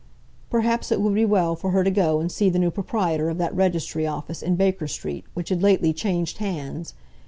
Perhaps it would be well for her to go and see the new proprietor of that registry office, in Baker Street, which had lately changed hands.